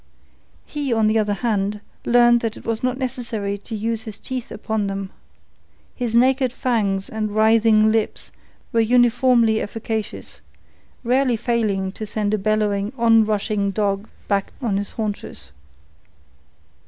He, on the other hand, learned that it was not necessary to use his teeth upon them. His naked fangs and writhing lips were uniformly efficacious, rarely failing to send a bellowing on rushing dog back on its haunches.